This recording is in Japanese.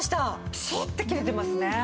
ピシッと切れてますね。